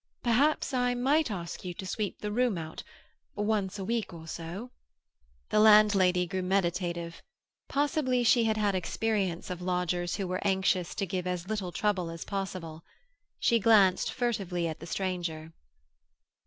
Perhaps I might ask you to sweep the room out—once a week or so." The landlady grew meditative. Possibly she had had experience of lodgers who were anxious to give as little trouble as possible. She glanced furtively at the stranger.